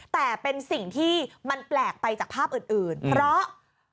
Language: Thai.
แต่เป็นสิ่งที่มันแปลกไปจากภาพอื่นเพราะ